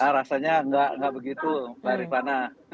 rasanya enggak begitu pak rifana